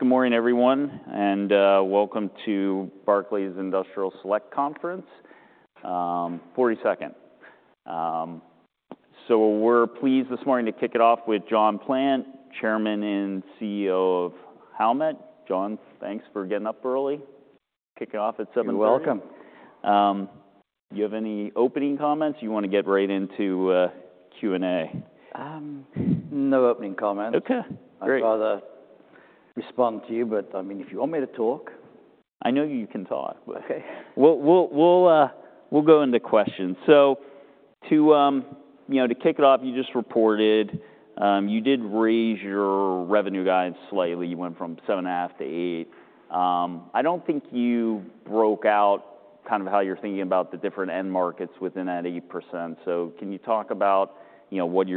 Good morning, everyone, and welcome to Barclays Industrial Select Conference, 42nd. We're pleased this morning to kick it off with John Plant, Chairman and CEO of Howmet. John, thanks for getting up early. Kicking off at 7:30 A.M. You're welcome. Do you have any opening comments? You want to get right into Q&A? No opening comments. Okay, great. I'd rather respond to you, but I mean, if you want me to talk. I know you can talk, but we'll go into questions. So to kick it off, you just reported you did raise your revenue guide slightly. You went from 7.5%-8%. I don't think you broke out kind of how you're thinking about the different end markets within that 8%. So can you talk about what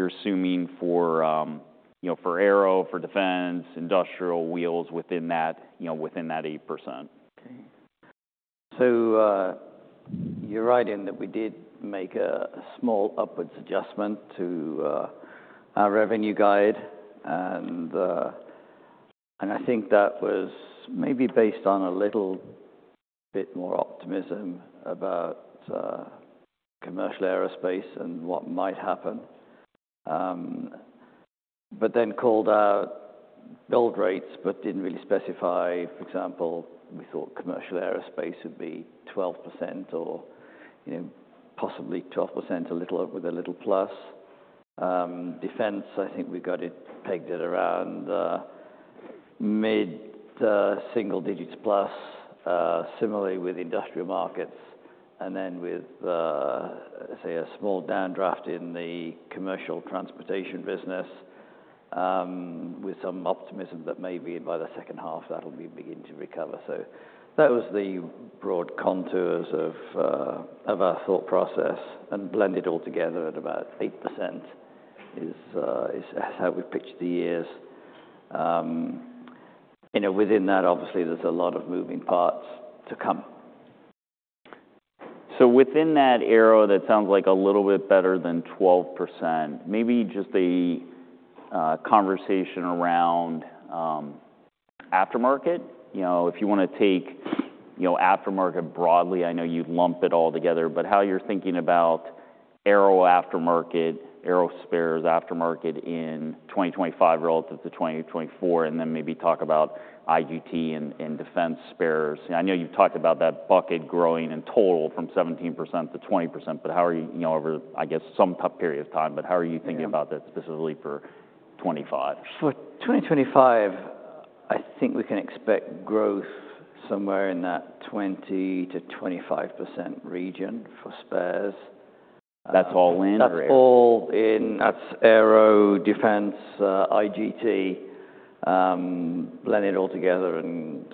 you're assuming for aero, for defense, industrial wheels within that 8%? So you're right in that we did make a small upwards adjustment to our revenue guide. And I think that was maybe based on a little bit more optimism about commercial aerospace and what might happen. But then called out build rates, but didn't really specify, for example, we thought commercial aerospace would be 12% or possibly 12% with a little plus. Defense, I think we got it pegged at around mid to single digits plus, similarly with industrial markets. And then with, say, a small downdraft in the commercial transportation business, with some optimism that maybe by the second half, that'll be beginning to recover. So that was the broad contours of our thought process and blended all together at about 8% is how we've pitched the years. Within that, obviously, there's a lot of moving parts to come. Within that aero, that sounds like a little bit better than 12%. Maybe just the conversation around aftermarket. If you want to take aftermarket broadly, I know you'd lump it all together, but how you're thinking about aero aftermarket, aerospace aftermarket in 2025 relative to 2024, and then maybe talk about IGT and defense spares. I know you've talked about that bucket growing in total from 17%-20%, but how are you over, I guess, some period of time, but how are you thinking about that specifically for 2025? For 2025, I think we can expect growth somewhere in that 20%-25% region for spares. That's all in, or? That's all in. That's Aero, defense, IGT, blend it all together and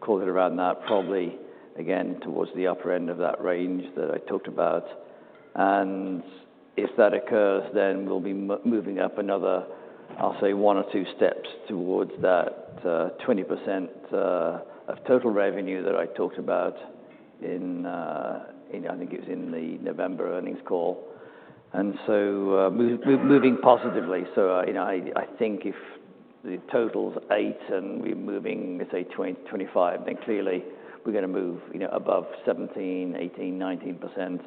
call it around that, probably, again, towards the upper end of that range that I talked about. And if that occurs, then we'll be moving up another, I'll say, one or two steps towards that 20% of total revenue that I talked about in, I think it was in the November earnings call. And so moving positively. So I think if the total's 8% and we're moving, let's say, 2025, then clearly we're going to move above 17%, 18%,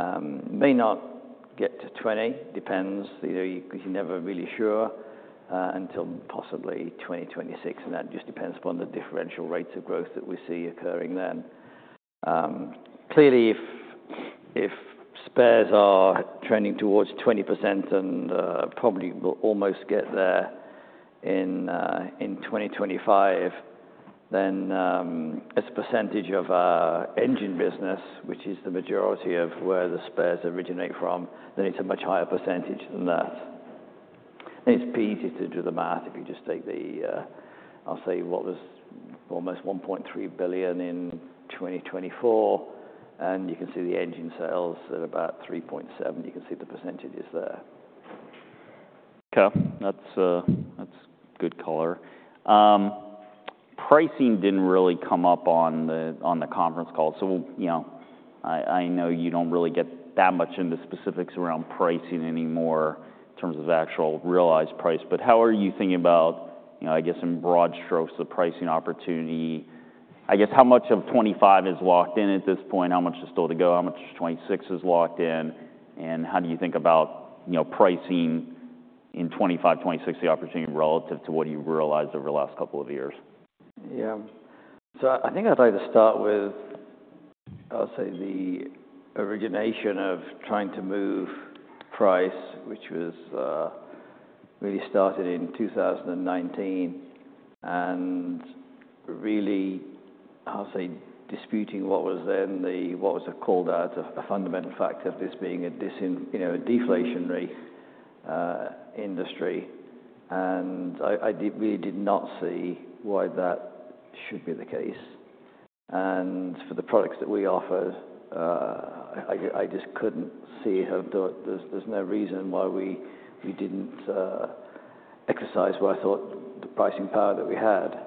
19%. May not get to 20%; depends. You're never really sure until possibly 2026. And that just depends upon the differential rates of growth that we see occurring then. Clearly, if spares are trending towards 20% and probably will almost get there in 2025, then as a percentage of our engine business, which is the majority of where the spares originate from, then it's a much higher percentage than that. It's easy to do the math if you just take the, I'll say, what was almost $1.3 billion in 2024, and you can see the engine sales at about $3.7 billion. You can see the percentages there. Okay. That's good color. Pricing didn't really come up on the conference call. So I know you don't really get that much into specifics around pricing anymore in terms of actual realized price. But how are you thinking about, I guess, in broad strokes, the pricing opportunity? I guess how much of 2025 is locked in at this point? How much is still to go? How much of 2026 is locked in? And how do you think about pricing in 2025, 2026, the opportunity relative to what you realized over the last couple of years? Yeah. So I think I'd like to start with, I'll say, the origination of trying to move price, which was really started in 2019. And really, I'll say, disputing what was then the, what was called out as a fundamental factor of this being a deflationary industry. And I really did not see why that should be the case. And for the products that we offer, I just couldn't see how there's no reason why we didn't exercise what I thought the pricing power that we had.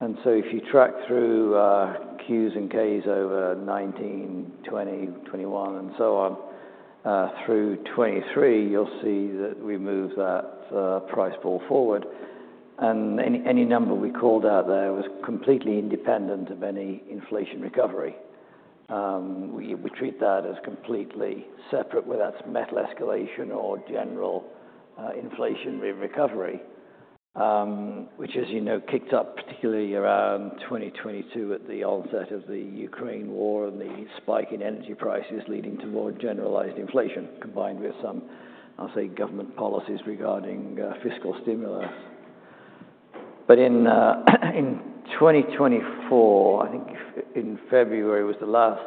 And so if you track through Qs and Ks over 2019, 2020, 2021, and so on, through 2023, you'll see that we moved that price ball forward. And any number we called out there was completely independent of any inflation recovery. We treat that as completely separate, whether that's metal escalation or general inflation recovery, which, as you know, kicked up particularly around 2022 at the onset of the Ukraine war and the spike in energy prices leading to more generalized inflation combined with some, I'll say, government policies regarding fiscal stimulus. But in 2024, I think in February was the last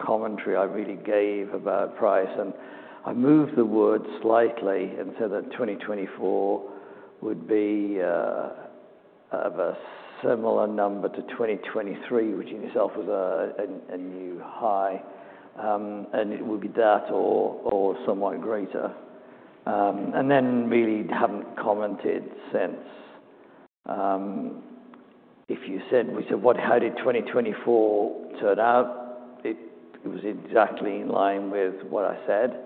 commentary I really gave about price. And I moved the word slightly and said that 2024 would be of a similar number to 2023, which in itself was a new high. And it would be that or somewhat greater. And then really haven't commented since. If you said, we said, how did 2024 turn out? It was exactly in line with what I said.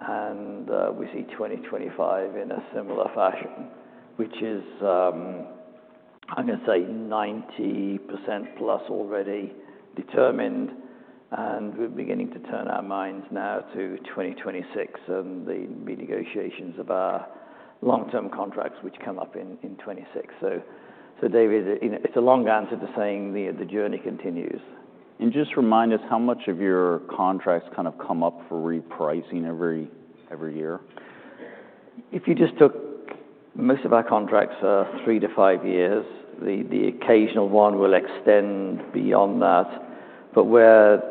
And we see 2025 in a similar fashion, which is, I'm going to say, 90% plus already determined. And we're beginning to turn our minds now to 2026 and the renegotiations of our long-term contracts, which come up in 2026. So David, it's a long answer to saying the journey continues. Just remind us, how much of your contracts kind of come up for repricing every year? If you just took most of our contracts are three-to-five years. The occasional one will extend beyond that. But where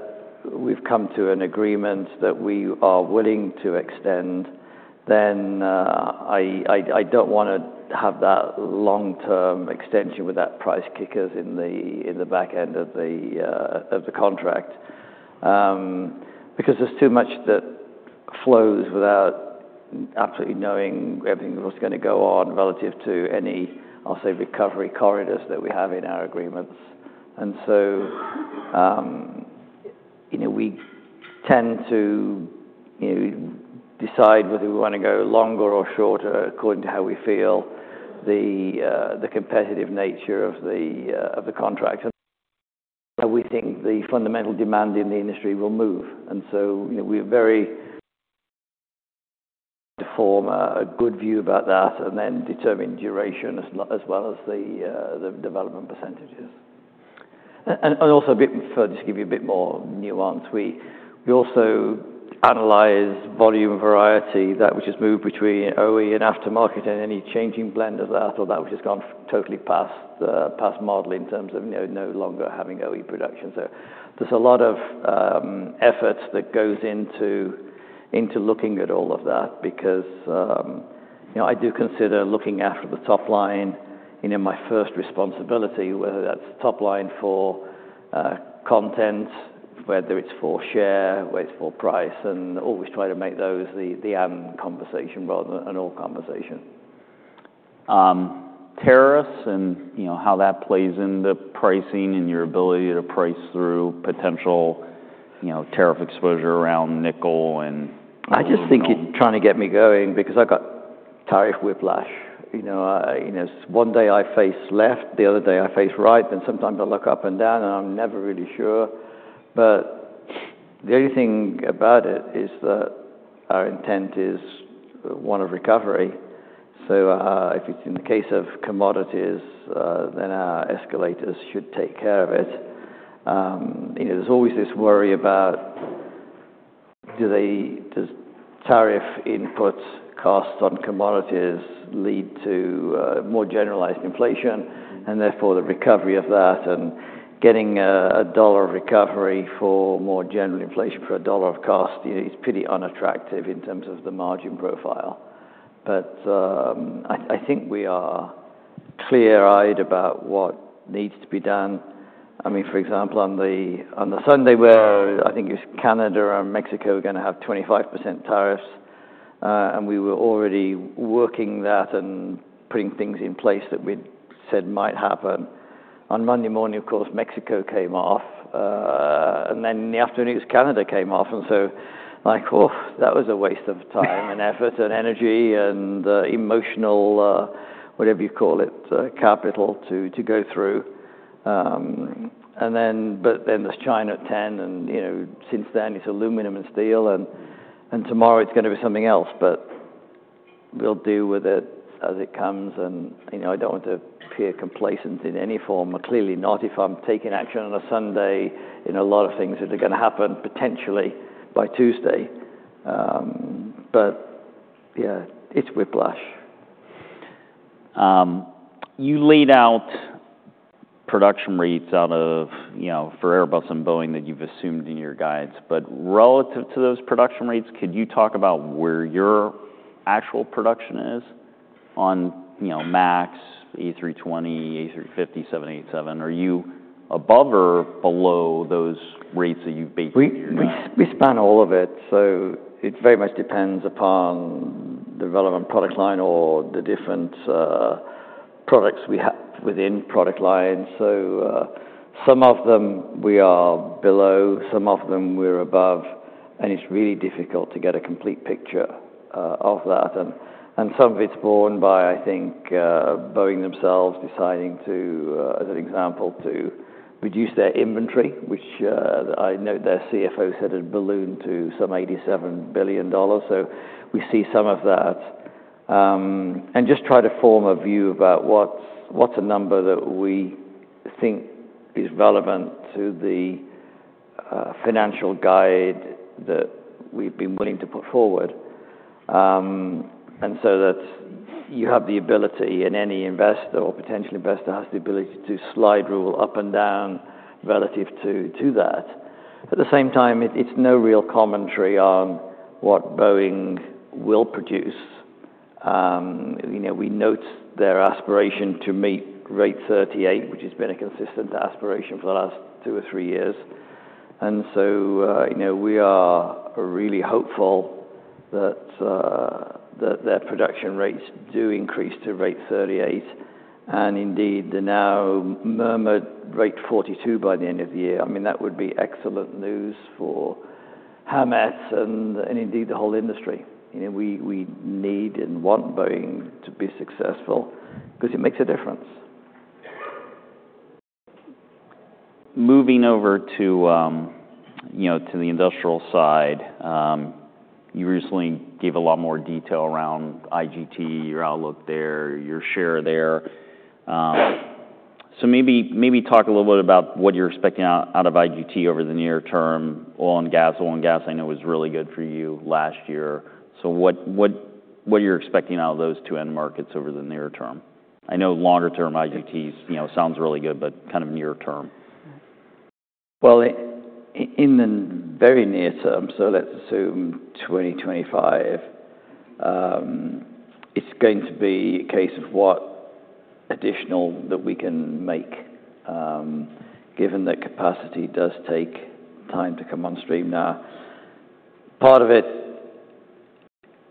we've come to an agreement that we are willing to extend, then I don't want to have that long-term extension with that price kickers in the back end of the contract. Because there's too much that flows without absolutely knowing everything that's going to go on relative to any, I'll say, recovery corridors that we have in our agreements. And so we tend to decide whether we want to go longer or shorter according to how we feel the competitive nature of the contract. And we think the fundamental demand in the industry will move. And so we're very careful to form a good view about that and then determine duration as well as the development percentages. And also just to give you a bit more nuance, we also analyze volume variety. That which has moved between OE and aftermarket and any changing blend of that, or that which has gone totally past model in terms of no longer having OE production. So there's a lot of effort that goes into looking at all of that because I do consider looking after the top line in my first responsibility, whether that's top line for content, whether it's for share, whether it's for price, and always try to make those the "and" conversation rather than an "or" conversation. Tariffs and how that plays in the pricing and your ability to price through potential tariff exposure around nickel and. I just think it's trying to get me going because I've got tariff whiplash. One day I face left, the other day I face right, then sometimes I look up and down and I'm never really sure, but the only thing about it is that our intent is one of recovery so if it's in the case of commodities, then our escalators should take care of it. There's always this worry about does tariff input costs on commodities lead to more generalized inflation and therefore the recovery of that, and getting a dollar of recovery for more general inflation for a dollar of cost is pretty unattractive in terms of the margin profile, but I think we are clear-eyed about what needs to be done. I mean, for example, on the Sunday where, I think it was Canada and Mexico were going to have 25% tariffs, and we were already working that and putting things in place that we said might happen. On Monday morning, of course, Mexico came off. And then in the afternoon, it was Canada came off. And so like, oh, that was a waste of time and effort and energy and emotional, whatever you call it, capital to go through. But then there's China at 10:00 A.M. And since then, it's aluminum and steel. And tomorrow it's going to be something else, but we'll deal with it as it comes. And I don't want to appear complacent in any form, clearly not if I'm taking action on a Sunday. A lot of things that are going to happen potentially by Tuesday. But yeah, it's whiplash. You laid out production rates for Airbus and Boeing that you've assumed in your guides. But relative to those production rates, could you talk about where your actual production is on MAX, A320, A350, 787? Are you above or below those rates that you've basically heard? We span all of it. So it very much depends upon the relevant product line or the different products we have within product line. So some of them we are below, some of them we're above. And it's really difficult to get a complete picture of that. And some of it's borne by, I think, Boeing themselves deciding to, as an example, to reduce their inventory, which I note their CFO set a baseline to some $87 billion. So we see some of that. And just try to form a view about what's a number that we think is relevant to the financial guide that we've been willing to put forward. And so that you have the ability and any investor or potential investor has the ability to slide rule up and down relative to that. At the same time, it's no real commentary on what Boeing will produce. We note their aspiration to meet Rate 38, which has been a consistent aspiration for the last two or three years, and so we are really hopeful that their production rates do increase to Rate 38, and indeed, the now murmured Rate 42 by the end of the year. I mean, that would be excellent news for Howmet and indeed the whole industry. We need and want Boeing to be successful because it makes a difference. Moving over to the industrial side, you recently gave a lot more detail around IGT, your outlook there, your share there. So maybe talk a little bit about what you're expecting out of IGT over the near term. Oil and gas, oil and gas, I know was really good for you last year. So what are you expecting out of those two end markets over the near term? I know longer-term IGT sounds really good, but kind of near term. In the very near term, so let's assume 2025, it's going to be a case of what additional that we can make, given that capacity does take time to come on stream now. Part of it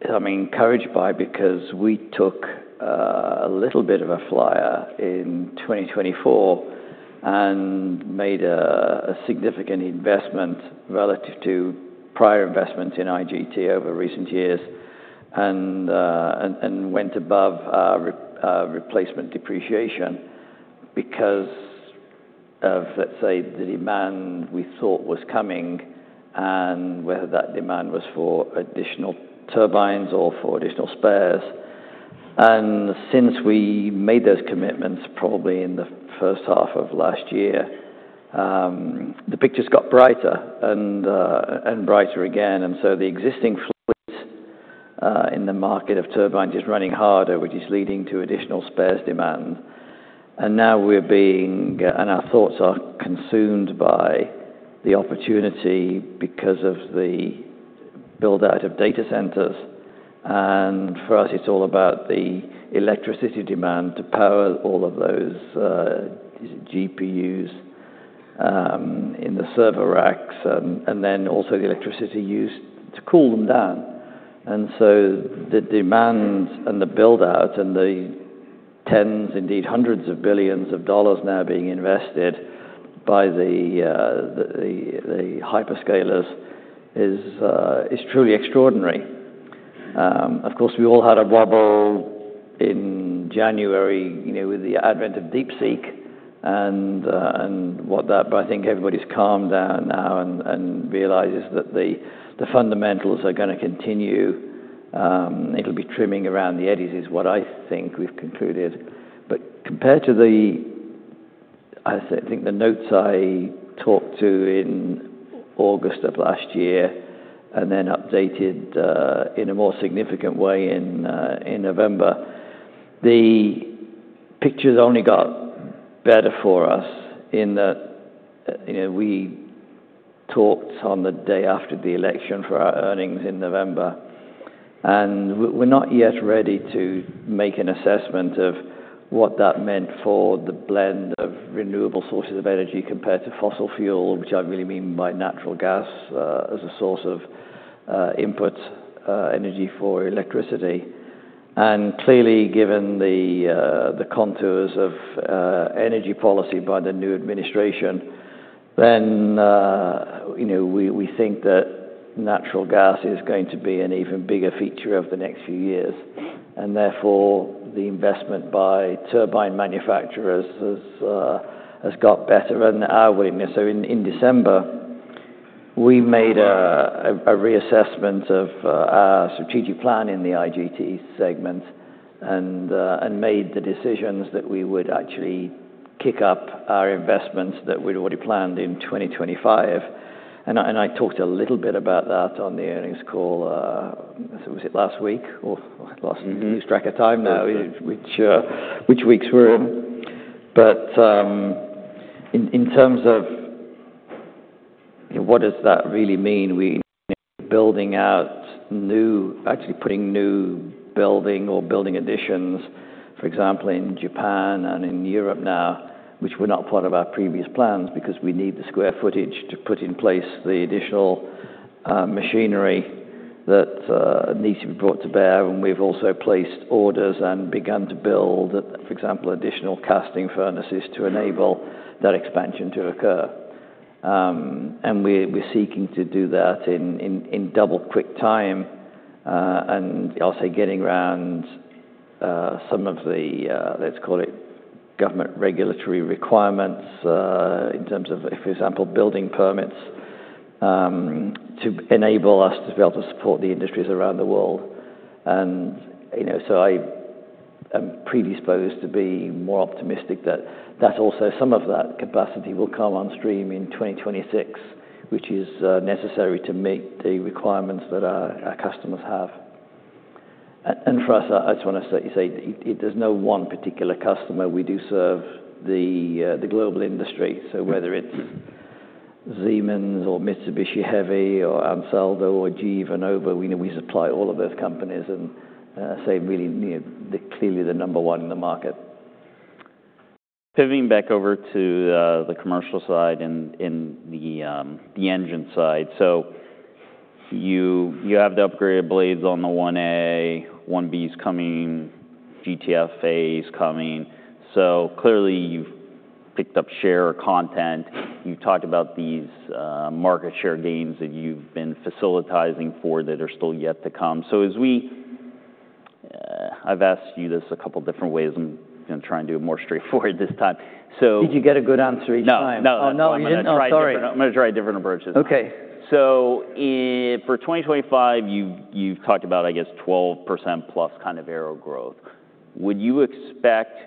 is, I'm encouraged because we took a little bit of a flyer in 2024 and made a significant investment relative to prior investments in IGT over recent years and went above our replacement depreciation because of, let's say, the demand we thought was coming and whether that demand was for additional turbines or for additional spares. Since we made those commitments probably in the first half of last year, the picture's got brighter and brighter again. The existing fleet in the market of turbines is running harder, which is leading to additional spares demand. And now our thoughts are consumed by the opportunity because of the buildout of data centers. And for us, it's all about the electricity demand to power all of those GPUs in the server racks and then also the electricity used to cool them down. And so the demand and the buildout and the tens, indeed hundreds of billions of dollars now being invested by the hyperscalers is truly extraordinary. Of course, we all had a bubble in January with the advent of DeepSeek and whatnot, but I think everybody's calmed down now and realizes that the fundamentals are going to continue. It'll be trimming around the edges is what I think we've concluded. But compared to the, I think the notes I talked through in August of last year and then updated in a more significant way in November, the picture's only got better for us in that we talked on the day after the election for our earnings in November. And we're not yet ready to make an assessment of what that meant for the blend of renewable sources of energy compared to fossil fuel, which I really mean by natural gas as a source of input energy for electricity. And clearly, given the contours of energy policy by the new administration, then we think that natural gas is going to be an even bigger feature of the next few years. And therefore, the investment by turbine manufacturers has got better and our business. In December, we made a reassessment of our strategic plan in the IGT segment and made the decisions that we would actually kick up our investments that we'd already planned in 2025. I talked a little bit about that on the earnings call. Was it last week or last stretch of time now, which week we're in? In terms of what does that really mean, we're building out new, actually putting new building or building additions, for example, in Japan and in Europe now, which were not part of our previous plans because we need the square footage to put in place the additional machinery that needs to be brought to bear. We've also placed orders and begun to build, for example, additional casting furnaces to enable that expansion to occur. We're seeking to do that in double quick time. And I'll say getting around some of the, let's call it, government regulatory requirements in terms of, for example, building permits to enable us to be able to support the industries around the world. And so I am predisposed to be more optimistic that that's also some of that capacity will come on stream in 2026, which is necessary to meet the requirements that our customers have. And for us, I just want to say there's no one particular customer. We do serve the global industry. So whether it's Siemens or Mitsubishi Heavy or Ansaldo or GE Vernova, we supply all of those companies and say really clearly the number one in the market. Pivoting back over to the commercial side and the engine side. So you have the upgraded blades on the 1A, 1B's coming, GTF Advantage's coming. So clearly you've picked up share or content. You've talked about these market share gains that you've been facilitating for that are still yet to come. So, as I've asked you this a couple of different ways. I'm going to try and do it more straightforward this time. So. Did you get a good answer each time? No, no. Oh, no. Sorry. I'm going to try different approaches. Okay. So for 2025, you've talked about, I guess, 12% plus kind of aero growth. Would you expect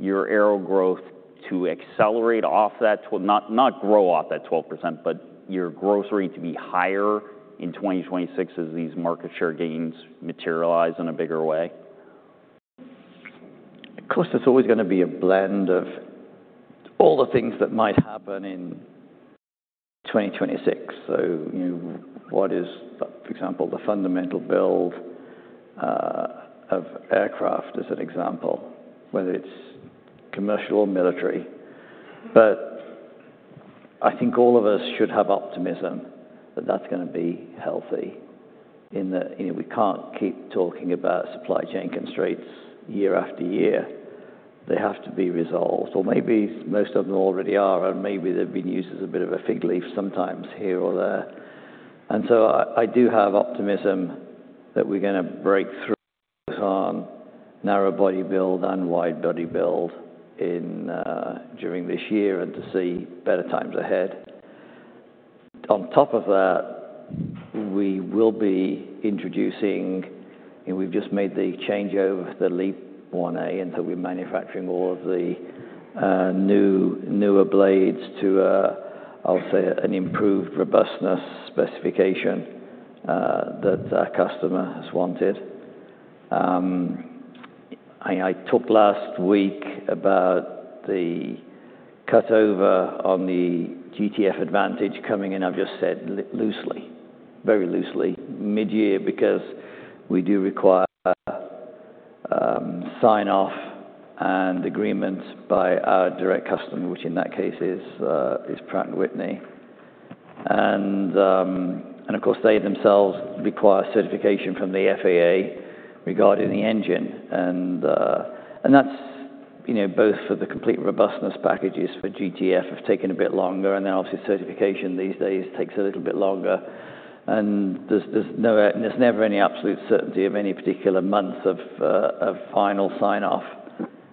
your aero growth to accelerate off that, not grow off that 12%, but your growth rate to be higher in 2026 as these market share gains materialize in a bigger way? Of course, there's always going to be a blend of all the things that might happen in 2026. So what is, for example, the fundamental build of aircraft as an example, whether it's commercial or military. But I think all of us should have optimism that that's going to be healthy. We can't keep talking about supply chain constraints year after year. They have to be resolved. Or maybe most of them already are, and maybe they've been used as a bit of a fig leaf sometimes here or there. And so I do have optimism that we're going to break through on narrow-body build and wide-body build during this year and to see better times ahead. On top of that, we will be introducing. We've just made the changeover, the LEAP-1A, and so we're manufacturing all of the newer blades to, I'll say, an improved robustness specification that our customer has wanted. I talked last week about the cutover on the GTF Advantage coming in. I've just said loosely, very loosely, mid-year because we do require sign-off and agreement by our direct customer, which in that case is Pratt & Whitney. And of course, they themselves require certification from the FAA regarding the engine. And that's both for the complete robustness packages for GTF have taken a bit longer. And then obviously, certification these days takes a little bit longer. And there's never any absolute certainty of any particular month of final sign-off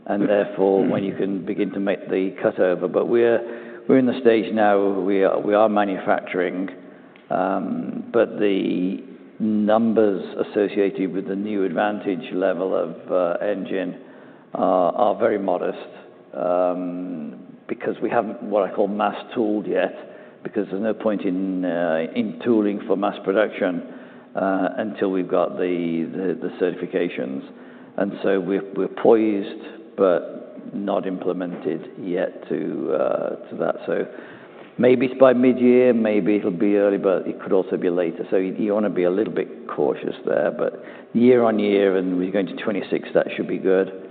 and therefore when you can begin to make the cutover. But we're in the stage now where we are manufacturing, but the numbers associated with the new Advantage level of engine are very modest because we haven't what I call mass tooled yet because there's no point in tooling for mass production until we've got the certifications. And so we're poised but not implemented yet to that. So maybe it's by mid-year, maybe it'll be early, but it could also be later. So you want to be a little bit cautious there. But year on year and we're going to 2026, that should be good.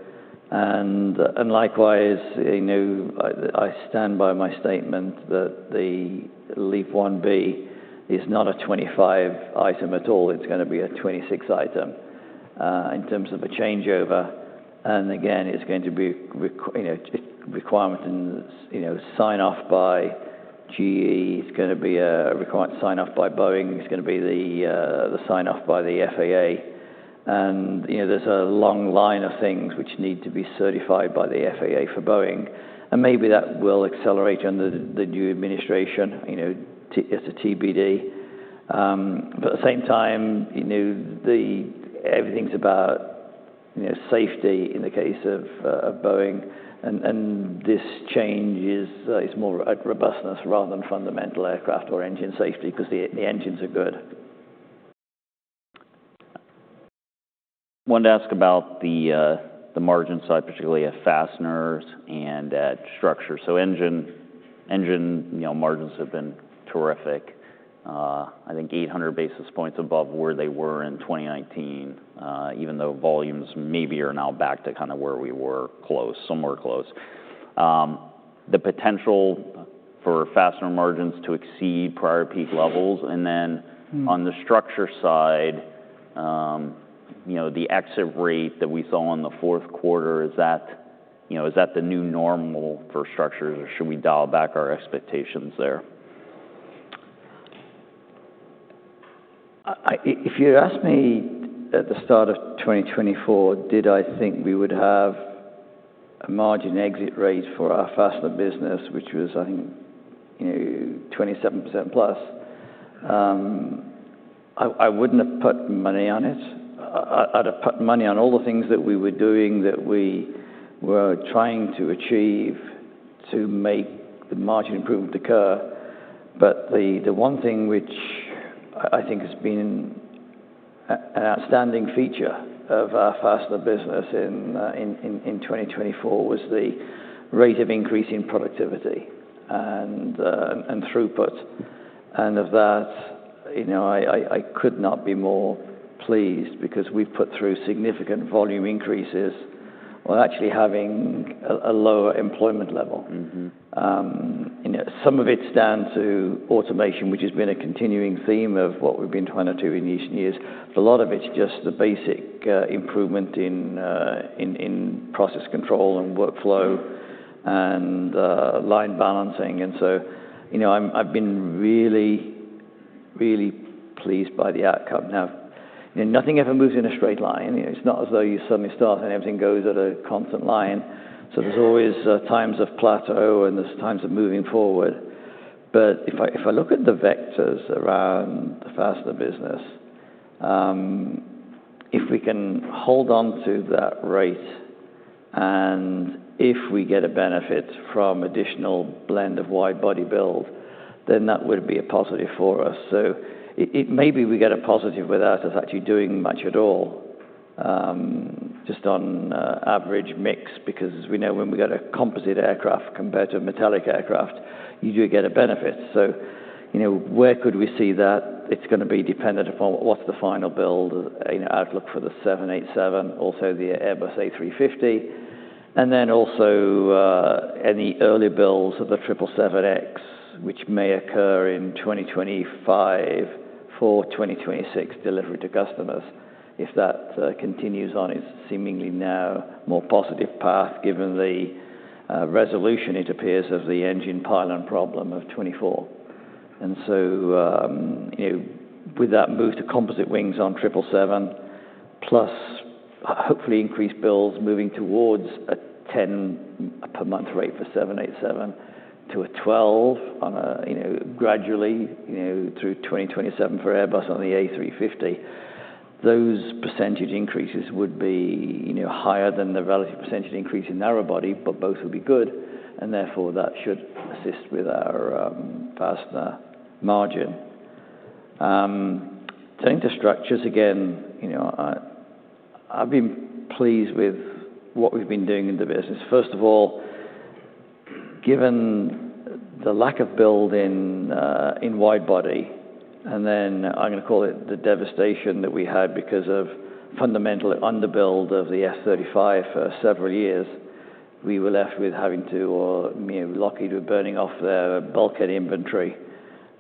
And likewise, I stand by my statement that the LEAP-1B is not a 2025 item at all. It's going to be a 2026 item in terms of a changeover. And again, it's going to be requirement and sign-off by GE. It's going to be a requirement sign-off by Boeing. It's going to be the sign-off by the FAA. And there's a long line of things which need to be certified by the FAA for Boeing. And maybe that will accelerate under the new administration as a TBD. But at the same time, everything's about safety in the case of Boeing. And this change is more robustness rather than fundamental aircraft or engine safety because the engines are good. I wanted to ask about the margin side, particularly at fasteners and at structure. So engine margins have been terrific. I think 800 basis points above where they were in 2019, even though volumes maybe are now back to kind of where we were close, somewhere close. The potential for fastener margins to exceed prior peak levels. And then on the structure side, the exit rate that we saw in the fourth quarter, is that the new normal for structures or should we dial back our expectations there? If you'd asked me at the start of 2024, did I think we would have a margin exit rate for our fastener business, which was, I think, 27% plus? I wouldn't have put money on it. I'd have put money on all the things that we were doing that we were trying to achieve to make the margin improvement occur. But the one thing which I think has been an outstanding feature of our fastener business in 2024 was the rate of increase in productivity and throughput. And of that, I could not be more pleased because we've put through significant volume increases while actually having a lower employment level. Some of it's down to automation, which has been a continuing theme of what we've been trying to do in recent years. But a lot of it's just the basic improvement in process control and workflow and line balancing. And so I've been really, really pleased by the outcome. Now, nothing ever moves in a straight line. It's not as though you suddenly start and everything goes at a constant line. So there's always times of plateau and there's times of moving forward. But if I look at the vectors around the fastener business, if we can hold on to that rate and if we get a benefit from additional blend of wide-body build, then that would be a positive for us. So maybe we get a positive without us actually doing much at all just on average mix because we know when we get a composite aircraft compared to a metallic aircraft, you do get a benefit. So where could we see that? It's going to be dependent upon what's the final build outlook for the 787, also the Airbus A350. Then also any early builds of the 777X, which may occur in 2025 for 2026 delivery to customers. If that continues on, it's seemingly now a more positive path given the resolution it appears of the engine pylon problem of 2024. And so with that move to composite wings on 777 plus hopefully increased bills moving towards a 10 per month rate for 787 to a 12 gradually through 2027 for Airbus on the A350, those percentage increases would be higher than the relative percentage increase in narrow body, but both would be good. And therefore, that should assist with our fastener margin. Turning to structures again, I've been pleased with what we've been doing in the business. First of all, given the lack of build in wide body, and then I'm going to call it the devastation that we had because of fundamental underbuild of the F-35 for several years, we were left with having to, or we were lucky to be burning off their bulkhead inventory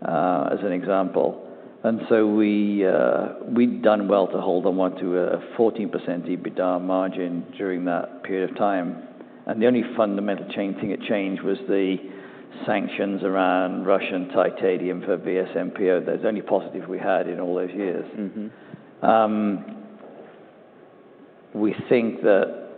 as an example. And so we'd done well to hold on to a 14% EBITDA margin during that period of time. And the only fundamental thing that changed was the sanctions around Russian titanium for VSMPO. That's the only positive we had in all those years. We think that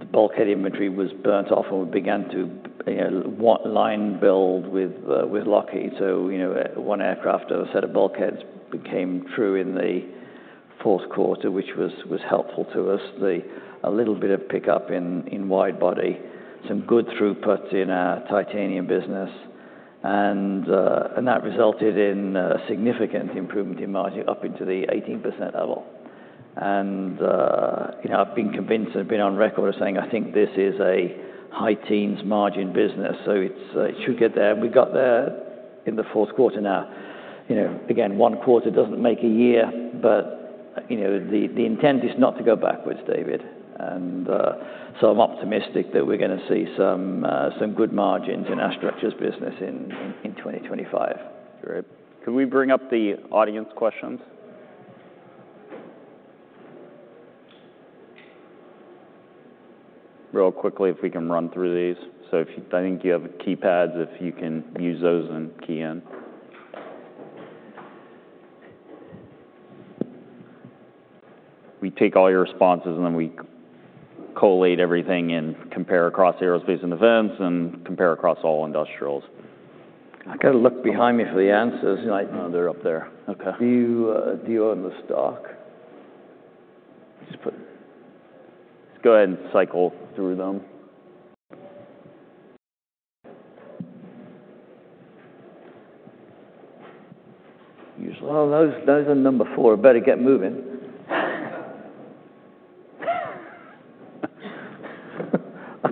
the bulkhead inventory was burned off and we began to line build with Lockheed. So one aircraft, a set of bulkheads became true in the fourth quarter, which was helpful to us. A little bit of pickup in wide body, some good throughput in our titanium business. And that resulted in a significant improvement in margin up into the 18% level. And I've been convinced and been on record of saying I think this is a high teens margin business. So it should get there. And we got there in the fourth quarter now. Again, one quarter doesn't make a year, but the intent is not to go backwards, David. And so I'm optimistic that we're going to see some good margins in our structures business in 2025. Great. Can we bring up the audience questions? Really quickly, if we can run through these. So if I think you have keypads, if you can use those and key in. We take all your responses and then we collate everything and compare across aerospace and defense and compare across all industrials. I got to look behind me for the answers. No, they're up there. Do you own the stock? Just go ahead and cycle through them. Oh, those are number four. Better get moving.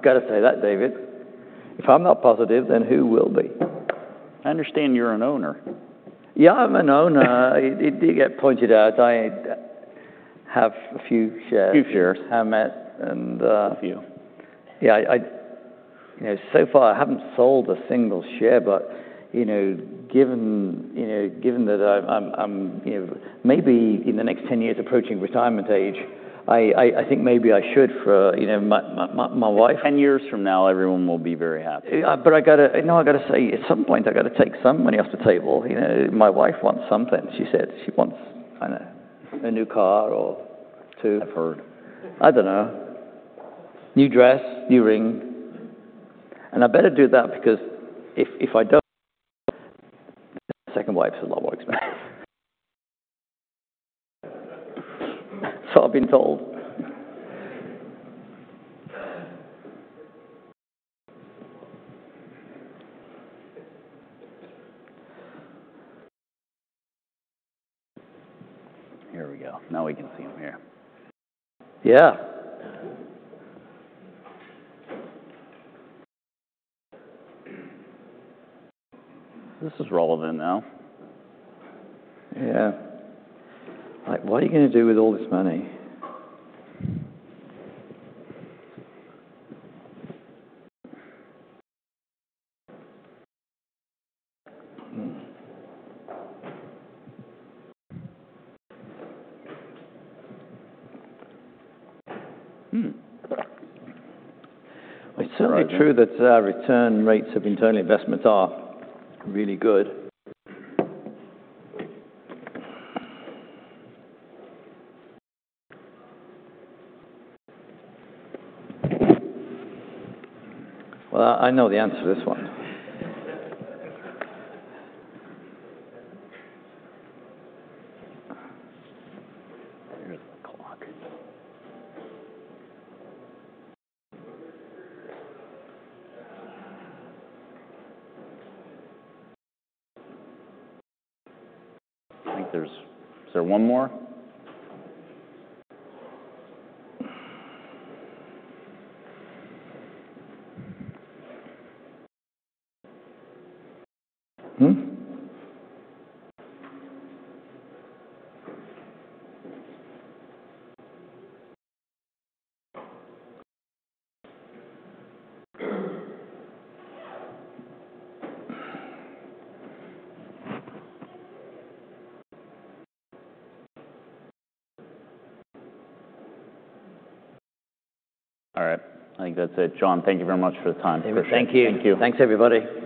I've got to say that, David. If I'm not positive, then who will be? I understand you're an owner. Yeah, I'm an owner. It did get pointed out. I have a few shares. Few shares. I met and. A few. Yeah. So far, I haven't sold a single share, but given that I'm maybe in the next 10 years approaching retirement age, I think maybe I should for my wife. 10 years from now, everyone will be very happy. But I got to, no, I got to say at some point, I got to take some money off the table. My wife wants something. She said she wants kind of a new car or two. I've heard. I don't know. New dress, new ring. And I better do that because if I don't, my second wife's a lot more expensive. So I've been told. Here we go. Now we can see him here. Yeah. This is relevant now. Yeah. What are you going to do with all this money? It's certainly true that our return rates of internal investments are really good. I know the answer to this one. Here's the clock. I think there's one more. All right. I think that's it. John, thank you very much for the time. Thank you. Thank you. Thanks, everybody.